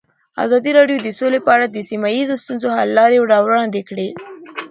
ازادي راډیو د سوله په اړه د سیمه ییزو ستونزو حل لارې راوړاندې کړې.